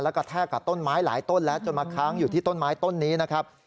แล้วก็แทกกับต้นไม้หลายต้นแล้วจนมาค้างอยู่ที่ต้นไม้ต้นนี้นะครับ